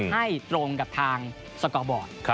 ให้ตรงกับทางสกอร์บอร์ด